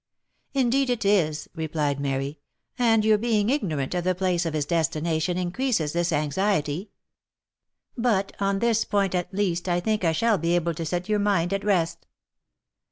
" Indeed it is !" replied Mary; " and your being ignorant of the place of his destination increases this anxiety. But on this point, at least, I think I shall be able to set your mind at rest.